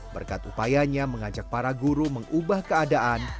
berkat upayanya mengajak para guru mengubah keadaan